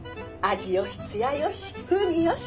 味よし艶よし風味よし。